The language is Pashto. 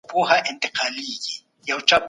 د لويي جرګې وخت ولي کله ناکله غځول کېږي؟